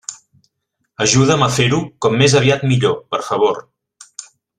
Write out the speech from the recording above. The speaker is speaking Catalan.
Ajuda'm a fer-ho com més aviat millor, per favor.